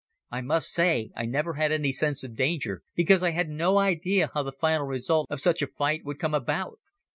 I must say I never had any sense of danger because I had no idea how the final result of such a fight would come about.